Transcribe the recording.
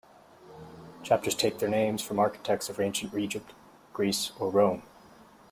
Chapters take their names from architects of ancient Egypt, Greece, or Rome.